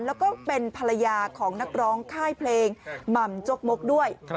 แล้วก็เป็นภรรยาของนักร้องค่ายเพลงหม่ำจกมกด้วย